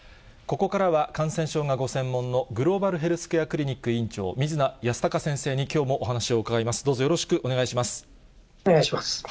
ここからは感染症がご専門の、グローバルヘルスケアクリニック院長、水野泰孝先生にきょうもお話を伺います。